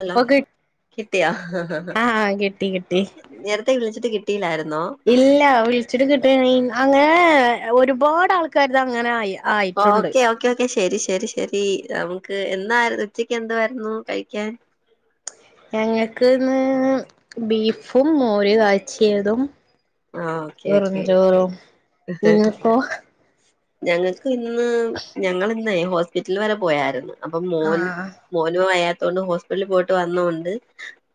അല്ല ഇപ്പൊ കി കിട്ടിയാ ആഹ് കിട്ടി കിട്ടി നേരത്തെ വിളിച്ചിട്ട് കിട്ടിയില്ലായിരുന്നോ ഇല്ല വിളിച്ചിട്ട് കിട്ട്ണില്ല അങ്ങനെ ഒരുപാട് ആൾക്കാർ ഇത് അങ്ങനെ ആയ ഓക്കെ ഓക്കേ ഓക്കെ ശരി ശരി ശരി നമുക്ക് എന്നാ ഉച്ചക്ക് എന്ത്‌വാരുന്നു കഴിക്കാൻ ഞങ്ങക്ക് ഇന്ന് ബീഫും മോര് കാച്ചിയതും ആ ഓക്കെ ചോറും ഓക്കെ ചോറും ഇങ്ങനിപ്പൊ ഞങ്ങ‌ക്കിന്ന് ഞങ്ങളിന്നെ ഹോസ്പിറ്റൽ വരെ പോയായിരുന്നു അപ്പൊ മോൽ ആഹ് മോന് വയ്യാത്തോണ്ട് ഹോസ്പിറ്റൽല് പോയിട്ട് വന്നോണ്ട്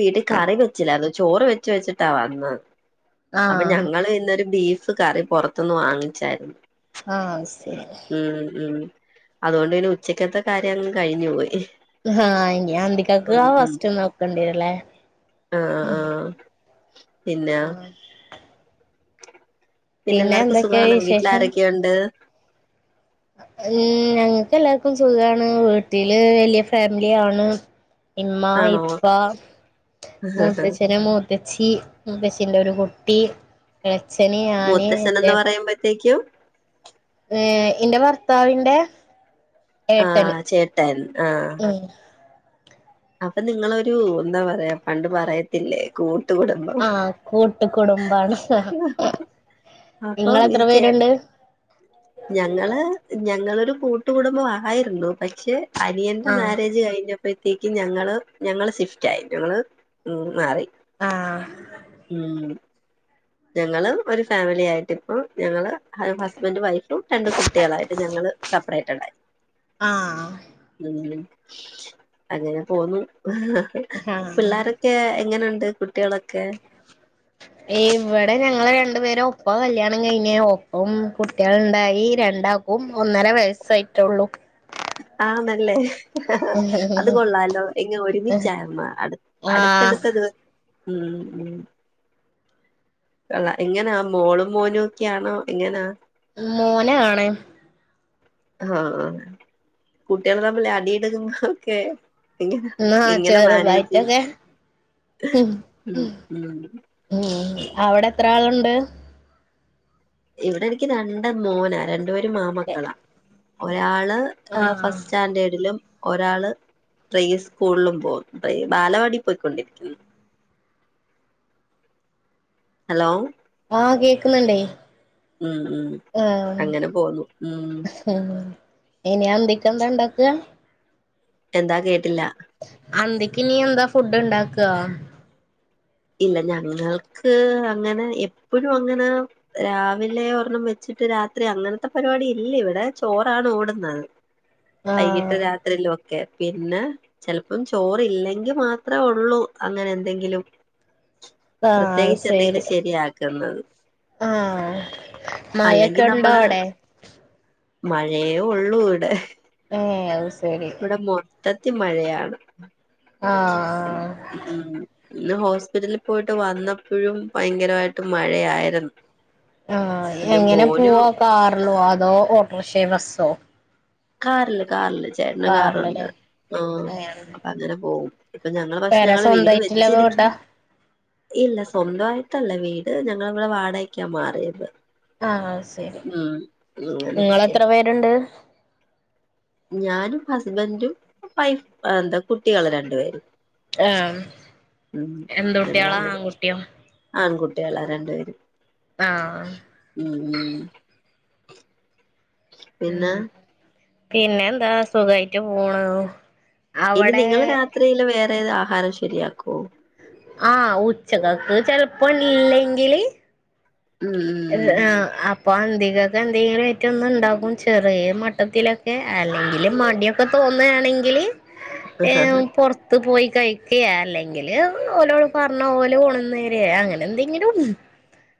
വീട്ടി കറി വെച്ചില്ലാരുന്നു ചോറ് വെച്ച് വെച്ചിട്ടാ വന്നത് അപ്പ ആഹ് ഞങ്ങള് ഇന്നൊരു ബീഫ് കറി പൊറത്തുന്ന് വാങ്ങിച്ചായിരുന്നു ആഹ് ശരി ഉം ഉം അതുകൊണ്ട് പിന്നെ ഉച്ചക്കത്തെ കാര്യം അങ്ങ് കഴിഞ്ഞു പോയി ആഹ് ഇഞ്ഞി അന്തിക്കാക്ക് ഉം ആ വസ്റ്റ് നോക്കണ്ടിവരുവല്ലേ അഹ് അഹ് ആഹ് പിന്നാ പിന്നെ പിന്നെല്ലാവർക്കും എന്തൊക്കെയാ സുഖവാണ വിശേഷം വീട്ടിലാരൊക്കെയൊണ്ട് ഉം ഞങ്ങക്കെല്ലാർക്കും സുഖാണ് വീട്ടില് വല്ല്യ ഫാമിലിയാണ് ഇമ്മ ആണോ ഇപ്പ മൂത്തച്ഛനും മൂ ത്തച്ചി മുത്തച്ചീന്റെ ഒരു കുട്ടി അച്ഛന് ഞാന് എൻ്റെ പറയുമ്പഴത്തേക്കും ഏഹ് ഇന്റെ ഭർത്താവിന്റെ ഏട്ടന് ആഹ് ചേട്ടൻ ആഹ് ഉം അപ്പൊ നിങ്ങളൊരു എന്താ പറയാ പണ്ട് പറയ ത്തില്ലേ കൂട്ട് കുടുംബം ആഹ് കൂട്ട് കുടുംബാണ് അപ്പം ഈ നിങ്ങളെത്ര ചേ പേരുണ്ട് ഞങ്ങള് ഞങ്ങളൊരു കൂട്ടുകുടുംബം ആയിരുന്നു പക്ഷെ അനിയന്റെ ആഹ് മാരേജ് കഴിഞ്ഞപ്പോഴ്ത്തേക്കും ഞങ്ങള് ഞങ്ങള് ഷിഫ്റ്റായി ഞങ്ങള് മാറി. ആഹ് ഉം ഞങ്ങള് ഒരു ഫാമിലി ആയിട്ട് ഇപ്പം ഞങ്ങള് ഹ ഹസ്ബൻഡ് വൈഫ് ട്ടു രണ്ട് കുട്ടികളായിട്ട് ഞങ്ങള് സപ്പറേറ്റഡായി. ആഹ് ഉം. അങ്ങനെ പോന്നു ആഹ് പിള്ളാരൊ ക്കേ എങ്ങനെണ്ട് കുട്ട്യോളൊക്കെ? [inaudible] ഏഹ് ഇവടെ ഞങ്ങള് രണ്ടുപേരും ഒപ്പം കല്യാണം കഴിഞ്ഞ് ഒ ഓം കുട്ട്യാളിണ്ടായി രണ്ടാ ക്കും ഒന്നര വയസ്സായിട്ടെള്ളൂ. ആന്നല്ലെ അത് കൊള്ളാലോ എങ്ങെ ഒരുമിച്ചാവുമ്മ അട് ആഹ് അടുത്തടുത്ത ദിവ ഉം ഉം കൊള്ള എങ്ങനാ മോളും മോനും ഒക്കെയാണോ എങ്ങനാ? മോനാണ്‌ ആഹ് കുട്ടികള് തമ്മില് അടി ഇടുകുന്നതൊക്കെ എങ്ങനാ ആഹ് എങ്ങനെ മാനേജെയ്യും ചെറുതായിട്ടൊക്കെ ഉം ഉം ഉം. അവടെത്രാളുണ്ട് ഇവിടെ എനിക്ക് രണ്ട് മോനാ ര ണ്ടുപേരും മാമക്കളാ ഒരാള് അഹ് ആഹ് ഫസ്റ്റാന്റേർഡിലും ഒരാള് പ്ലേ സ്കൂൾലും പോകുന്നു [unintelligible] ബാലവാടി പൊയ് ക്കൊണ്ടിരിക്കുന്നു. [inaudible] ഹലോ ആഹ് കേക്ക്ന്നിണ്ടേയ്. ഉം ഉം അങ്ങനെ പോന്നു ഉം ഉം ഇനി അന്തിക്കൻന്തെണ്ടാക്കാ? എന്താ കേട്ടില്ല അന്തിക്കിനിയെന്താ ഫുഡ്ഡെണ്ടാക്കാ ഇല്ല ഞങ്ങൾക്ക് അങ്ങനെ എപ്പഴും അങ്ങനാ രാവിലെ ഒരെണം വെച്ചിട്ട് രാത്രി അങ്ങനത്തെ പരിപാടി ഇല്ല ഇവിടെ ചോറാണ് ഓടുന്നത്. [inaudible] ആഹ് അയ്യിട്ട് രാത്രിലോ കെ പിന്നെ ചെൽപ്പം ചോറില്ലെങ്കിൽ മാത്രഉള്ളൂ അങ്ങനെ എന്തെങ്കിലും ആഹ് പ്രത്യേകിച്ച് ശരി എന്തെങ്കിലും ശരിയാക്ക്ന്നത്. ആഹ് അല്ലെങ്കി മഴൊക്കെ ഉണ്ടോ നമ്മള് അവിടെ മഴയേ ഒള്ളൂവ്ടെ. ഏ അത് സെരി. ഇവ്ടെ മൊത്തത്തി മഴയാണ്. ആഹ് ആഹ്. ഉം ഇന്ന് ഹോസ് പിറ്റലിൽ പോയിട്ട് വന്നപ്പൊഴും ഭയങ്കരമായിട്ട് മഴയായിരുന്ന്. ആഹ് എങ്ങനെ പോവാ കാറ്ലോ അതോ ഓട്ടോർക്ഷ ബസ്സോ? കാർല് കാർല് ചേട്ടന് കാറുണ്ട് കാറിലല്ലേ ആ. അങ്ങനെയാണ് അപ്പൊ അങ്ങനെ പോവും ഇപ്പൊ ഞങ്ങള് പക്ഷെ പേര ഞങ്ങള് വീട് സ്വന്തമായിട്ടുള്ള വെച്ചിരിക്കും വീടാ ഇല്ല സ്വന്തായിട്ടല്ല വീട് ഞങ്ങളിവിടെ വാടകക്കാ മാറിയത്. ആഹ് സെരി ഉം അങ്ങനെരിക്ക നിങ്ങളെത്ര പേര്ണ്ട്? ഞാനും ഹസ്ബന്റും വൈഫ് എന്താ കുട്ടികള് രണ്ട്പേരും. ആഹ് എന്ത് കുട്ട്യാളാ ആൺകുട്ട്യോ? ആൺകുട്ട്യാള രണ്ട്പേരും. ആഹ്. ഉം ഉം പിന്നെ? പിന്നെന്താ സുഖായിട്ട് പോണ്. ഇനി നിങ്ങള് രാത്രിയില് വേറെ ഏത് ആഹാരം ശരിയാക്ക്യോ? ആ ഉച്ചകക്ക് ചെൽപ്പം ഇല്ലെങ്കില് ഉം ഉം ആഹ് അപ്പ പ്പ അന്തികക്ക് എന്തെങ്കിലായ്ട്ട് ഒന്ന് ഇണ്ടാക്കും ചെറിയ മട്ടത്തിലൊക്കെ അല്ലെങ്കില് മട്യാ. പ്പ തോന്നാണെങ്കില് ഏ പൊർ ത്ത് പോയി കയ്ക്കേ അല്ലെങ്കില് ഓലോട് പറഞ്ഞ ഓല് കൊണ്ട്ന്നരെ അങ്ങനെ എന്തെങ്കിലും.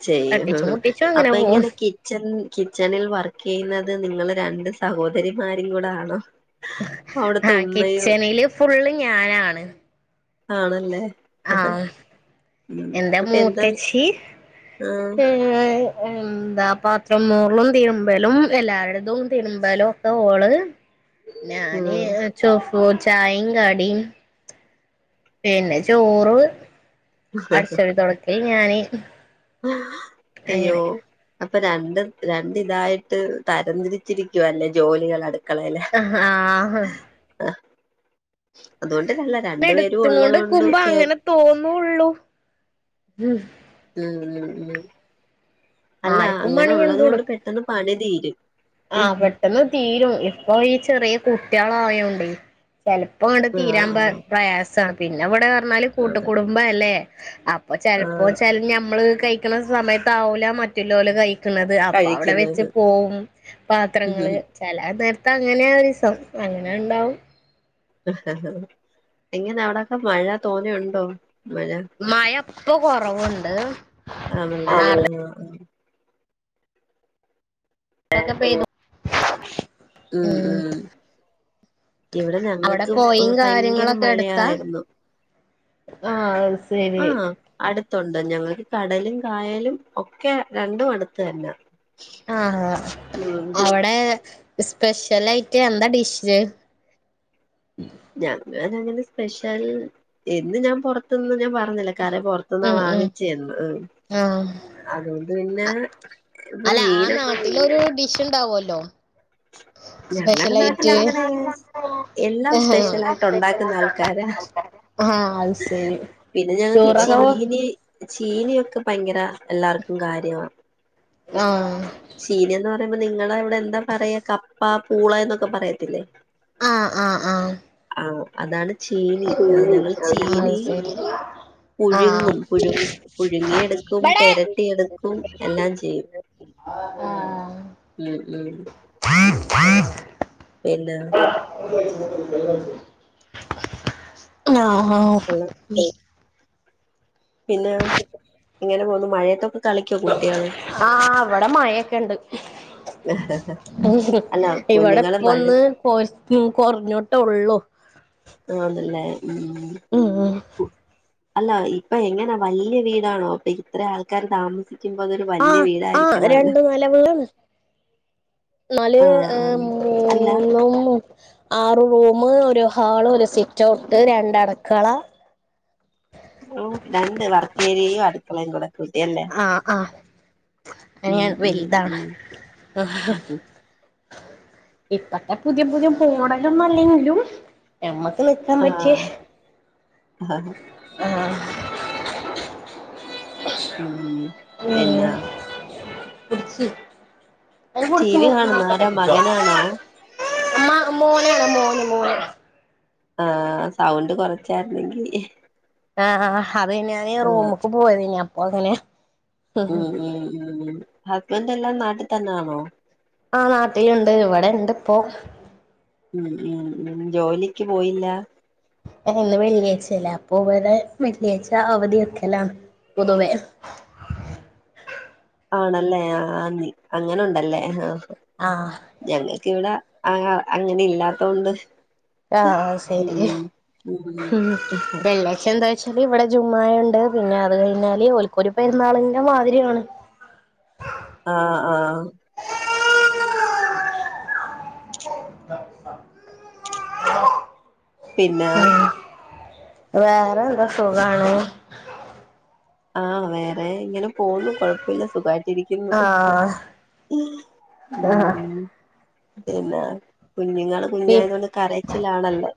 ചെയ്യും തട്ടിച്ചും മുട്ടിച്ചും അപ്പ അങ്ങനെ പോവും എങ്ങനെ കി ച്ചൺ കിച്ചണിൽ വർക്കെയ്യുന്നത് നിങ്ങള് രണ്ട് സഹോദരിമാരും കൂടെ ആണോ? ആ അവിടുത്തെ ഉമ്മയും കിച്ചണില് ഫുള്ള് ഞാനാണ്. ആണല്ലേ? ആഹ് ഉം എന്റെ അപ്പൊ എന്താ മൂത്തച്ചി ആ ഉം എന്താ പാത്രം മോർലും തിര്മ്പലും എല്ലാര്‌തും തിര്മ്പലും ഒ ഓള് ആ ഞാന് ചോഫു ചായിം കടിം പിന്നെ ചോറ് അട്ച്ച് വാരി തൊട്ക്കല് ഞാന്. അയ്യോ. അങ്ങനെ അപ്പം രണ്ട് രണ്ട് ഇതായിട്ട് തരംതിരിച്ചിരിക്കുവാല്ലേ ജോലികൾ അട്ക്കളയിലെ? ആഹ് ആ. അ അതുകൊണ്ട്ല്ല രണ്ട് പേരും ഉള്ളത് എടുത്തുകൊണ്ട് കൊണ്ട് നിക്കുമ്പോ ചേ അങ്ങനെ തോന്നുള്ളൂ ഉം. ഉം ഉം ഉം അല്ല ആർക്കും അങ്ങനെ വേണങ്കി ഉള്ളത് കൊണ്ട് പെട്ടെന്ന് പണി തീരും. ആ പെട്ടെന്ന് തീരും ഇപ്പൊ ഈ ചെറ്യാ കുട്ട്യാളായോണ്ടെ ചെലപ്പങ്ങണ്ട് ആ ആ തീരാൻ പ പ്രയാസാണ്. പിന്നെ ഇവിടെർഞ്ഞാല് കൂട്ട് അതെ കുടുംബ അല്ലേ അപ്പ് പ്പ ആ ചെൽപ്പോ വെച്ചാ മ്മള് കഴിക്ക്ണ സമയത്ത് ആവൂല മറ്റ്ലോല് കഴ് ക്ക്ണത്അപ്പൊ അവ്ടെ വെച്ച് കഴിക്കുന്നത് പോവും പാത്രങ്ങള് ഉം. ചെല നേർത്ത് അങ്ങനെ ദിസം അങ്ങനെ ഇണ്ടാവും. എങ്ങിനെ അവ്ടൊക്കെ മഴ തോനെണ്ടോ മഴ? മഴ ഇപ്പൊ കൊറവ്ണ്ട്. ആ ആണല്ലേ ആഹ് ആ. ഒക്കെ പെയ്തു. ഉം ഉം. ഇവിടെ അവിടെ ഞങ്ങൾക്കും പൊയിം ഭയങ്കര കാര്യങ്ങളൊക്കെ എടുത്താ മഴയായിരുന്നു. ആഹ് അത് ശരി. അടുത്തുണ്ട, ഞങ്ങൾക്ക് കടലും കായലും ഒക്കെ രണ്ടും അടുത്ത് തന്നെ. ആഹ് ഉം ഹഅവിടെ സ്പെഷ്യൽ ആയിട്ട് എന്താ ഡിഷ്? ഞങ്ങാന അങ്ങനെ സ്പെഷ്യൽ എന്ന് ഞാൻ പുറത്തന്നും ഞാൻ പറഞ്ഞില്ല കറപൊർ ന്നാ ഉം ഉം വാങ്ങിച്ചന്നു ആഹ് അതുകൊണ്ട് പിന്നെ ഇപ്പൊ അല്ല, മീന ആഹ് നാട്ടിലൊരു ഡിഷ് ഉണ്ടാവല്ലോ? ഞങ്ങടെ നാട്ടിൽ സ്പെഷ്യലായിട്ട് അങ്ങനെ [unintelligible] എല്ലാം സ്പെഷ്യലായിട്ട് ഉണ്ടാക്കുന്ന ആൾക്കാരാ ആഹ് അത് ശരി. പിന്നെ ഞങ്ങൾക്ക് ടൂറൊക്കെ പോ ചീനീ ചീനൊക്കെ ഭയങ്കര എല്ലാർക്കും കാര്യമാ. ആഹ് ചീനിന്ന് പറയുമ്പോ നിങ്ങളുടെ അവിടെ എന്താ പറയാ? കപ്പ പൂള എന്നൊക്കെ പറയത്തില്ലേ? ആഹ് ആഹ് ആഹ് ആഹ്‌ അതാണ് ചീനി ഞങ്ങള് അത് ചീനി. ശരി ആഹ് പുഴുങ്ങും പുഴുങ്ങ പുഴുങ്ങിയ എടുക്കും ആഹ് ആഹ് പെരട്ടിയെടുക്കും എല്ലാം ചെയ്യും. ഉം ആഹ് ഉം ഉം [unintelligible] പിന്നെ ആഹ്‌ ഹാ പിന്നെ എങ്ങനെ പോന്നു മഴയത്തൊക്കെ കളിക്കോ കുടട്ട്യേ ള് ആഹ് ഇവടെ മഴൊക്കെ ണ്ട്. അല്ല ഇവിടെ കുഞ്ഞുങ്ങള് ഇപ്പ മഴ ഒന്ന് കൊ കുർഞ്ഞൊട്ടേ ഉള്ളൂ. ആഹ് ന്നല്ലേ ഉം ഉം. അല്ല ഇപ്പൊ എങ്ങനാ വല്ല്യ വീടാണോ അപ്പൊ ഇത്ര ആൾക്കാര് താമസി ആഹ്‌ ആഹ് രണ്ടു നല വീടാണ്. ന്നാല് ആഹ് മൂന്നും. ആറ് റൂമ് ഒരു ഹാള് ഒരു സിറ്റൗട്ട് രണ്ടട്ക്കള. ഉം രണ്ട് വർക്കേരിയയും അടുക്കളയും കൂടെ. കൂട്ടിയല്ലേ ആഹ്‌ ആഹ്‌. ഉം [unintelligible] ഉം വൽതാണ് ഉം ആഹ്ഹ ഇപ്പത്തെ പുതിയ പുതിയ മോഡലൊന്നും അല്ലെങ്കിലും. ഞമ്മക്ക് നിക്കാൻ പറ്റിയ ആഹ് ആഹ് ആഹ്‌ ഉം പിന്നെ [unintelligible] പിട്ച്ച് [unintelligible] ടി വി കാണുന്ന ആരാ മകനാണോ അമ്മ മോന് മോന് മോന് ആഹ്‌ സൗണ്ട് കൊർച്ചായിര്ന്നെങ്കി. ആഹ്‌ ആഹ് അത് ഞാന് റൂമ്ക്ക് പോയതേനി അപ്പോ ങ്ങനെ. ഉം ഉം ഉം ഹസ്ബൻഡല്ലാം നാട്ടി തന്നാന്നോ? ആഹ് നാട്ടില്ണ്ട് ഇവടെ ഇണ്ട് ഇപ്പോ. ഉം ഉം ഉം ജോലിക്ക് പോയില്ല? ഇന്ന് വെള്ളിയാഴ്ച അല്ലേ അപ്പൊ വടെ വെള്ളിയാഴ്ച്ച അവധി വെക്കലാണ്. പൊതുവെ? ആണല്ലേ ആഹ് ന്നെ അങ്ങനെണ്ടല്ലേ ആഹ് ആഹ്‌. ഞങ്ങൾക്കിവിടെ ആഹ് അങ്ങനെ ഇല്ലാത്തോണ്ട്. ആഹ് ആഹ്‌ ശരി ഉം ഉം വെള്ളിയാഴ്ച എന്താ ഇവിടെ ജുമ്മായുണ്ട് പിന്നെ അത് കഴിഞ്ഞാല് ഓൽക്കൊരു പെര്ന്നാളിന്റെ മാതിരിയണ്. ആഹ്‌ ആഹ്‌. പിന്നെ ഉം വേറെന്താ സുഖാണ് ആഹ്‌ വേറെ ഇങ്ങനെ പോന്നു കൊഴപ്പില്ല സുഖായി ഇരിക്യുന്ന് ആഹ് ആഹ് ഉം പിന്നെ കുഞ്ഞുങ്ങള് പി കുഞ്ഞായ കൊണ്ട് കരച്ചിലാണല്ലേ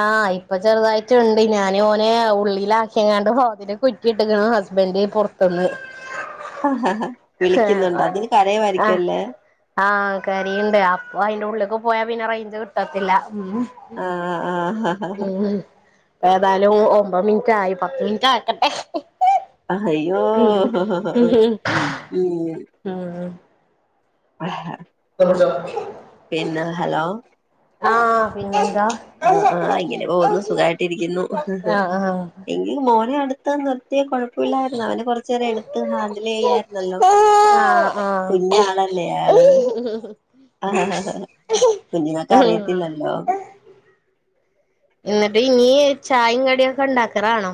ആഹ് ഇപ്പൊ ചെറുതായിറ്റ്ണ്ട് ഞാന് ഓനെ ഉള്ളിലാക്കിങ്ങാണ്ട് വാതില് കു റ്റിട്ട്ക്ക്ണ് ഹസ്ബൻഡ് പൊർത്ത്ന്ന് അഹ് ഹ ഹ വിളിക്യുന്നുണ്ടോ തിന് ആഹ് കരയുവായിരിക്യുല്ലേ ആഹ് കരയ്ണ്ട് അപ്പൊ അയിന്റെ ഉള്ള്ക്ക് പോയാ പിന്നെ റേഞ്ച് കിട്ടത്തില്ല ഉം ആഹ് ആഹ് ഉം ഏതായാലും ഒമ്പത് മിൻറ്റായി പത്ത് മിൻറ്റ് ആക്കട്ടെ അഹയ്യോ ഉം ഹ ഹ ഹ ഉം മ് ഉം ദവട്ച്ചാ പിന്നെ ഹലോ ആഹ് പിന്നെന്താ ആഹ് ആഹ് ഇങ്ങനെ പോകുന്നു ആഹ് ആഹ് ഈ മോനെ അടുത്ത് നിർത്തി കൊഴപ്പുല്ലായിര്ന്നോ അവനെ കൊറച്ചേരം എടുത്ത് ഹാൻഡിലിയ്യാ ര്ന്നല്ലോ ആഹ് ആഹ് കുഞ്ഞാളല്ലേ ആള് കുഞ്ഞുങ്ങക്ക് അറിയത്തില്ലല്ലോ എന്നിട്ട് ഇനിയ് ചായേം കടിയൊക്കെ ഉണ്ടാക്കറാണോ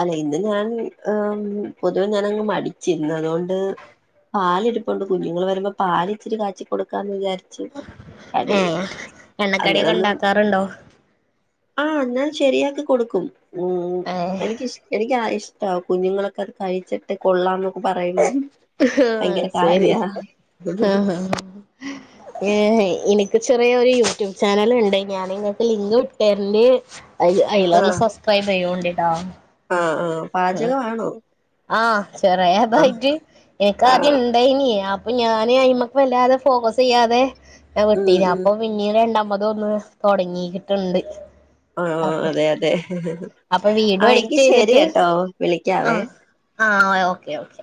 അല്ല ഇന്ന് ഞാൻ ഏം പൊതുവെ ഞാനങ്ങ് മടിച്ച് ഇന്നതോണ്ട് പാല് ഇര്പ്പുണ്ട് കുഞ്ഞുങ്ങൾ വരുമ്പോ പാല് ഇച്ചിരി കാച്ചി കൊടുക്കാന്ന് വിചാരി ച്ച് അടി ഏഹ് എണ്ണക്കടിയൊക്കെ അങ്ങനൊന്നും ഉണ്ടാക്കാറുണ്ടോ ആഹ് ഞാൽ ശെരിയാക്കി കൊടുക്കും ഉം എനിക്ക് ഏഹ് ഇഷ് എനിക്ക് ആ ഇഷ്ടാ കുഞ്ഞുങ്ങളൊക്കെ അത് കഴിച്ചി ട്ട് കൊള്ളാംന്നൊക്കെ പറയുമ്പം ഭയങ്കര ശരി കാര്യാ ഏഹ് ഇനിക്ക് ചെറിയ ഒര് യൂട്യൂബ് ചാനൽ ഇണ്ടയ്നി ഞാനിങ്ങക്ക് ലിങ്ക് വിട്ടേര്ൻ്റ് ഐ ഐലന്ന് ആഹ് സബ്സ്ക്രൈബി യ്യോണ്ടിട്ടാ ആഹ് ആഹ് പാചകവാണോ ആഹ് ചെറേയതായിട്ട് എനക്ക് ആദ്യം ആഹ് ണ്ടയ്നി പ്പഞാന് അയ്മക്ക് വല്ലാതെ ഫോക്കസി യ്യാതെ ഞാൻ ഉം വിട്ടീന്ന് ഉം അപ്പൊ പി ന്നീട് രണ്ടാമതൊന്ന് തെടങ്ങീട്ട്ണ്ട് ഓ ഓ ഓ അതെ അതെ അപ്പൊ വീഡിയോ ആഹ് എങ്കി എഡിറ്റ് ശരി ചെയ്തിട്ട് എട്ടോ വിളിക്യാവേ ആഹ് ആഹ് ഒ ഓക്കേ ഓക്കെ